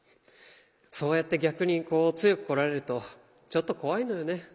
そうやって逆に強くこられるとちょっと怖いのよね。